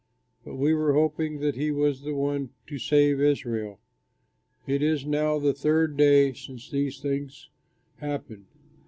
But we were hoping that he was the one to save Israel. It is now the third day since these things happened.